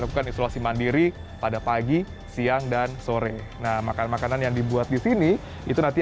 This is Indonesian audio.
melakukan isolasi mandiri pada pagi siang dan sore nah makanan makanan yang dibuat di sini itu nanti